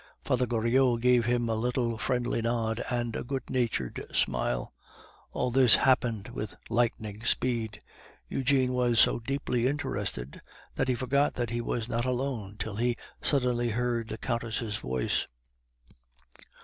Father Goriot gave him a little friendly nod and a good natured smile. All this happened with lightning speed. Eugene was so deeply interested that he forgot that he was not alone till he suddenly heard the Countess' voice.